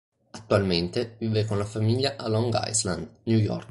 Attualmente vive con la famiglia a Long Island, New York.